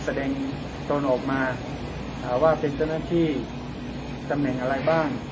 แสดงตนออกมาถามว่าเป็นเจ้าหน้าที่ตำแหน่งอะไรบ้าง